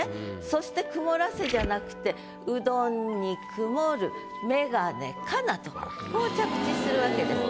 そして「曇らせ」じゃなくって「うどんに曇るメガネかな」とこう着地するわけです。